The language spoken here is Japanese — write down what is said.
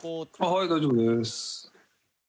はい大丈夫です。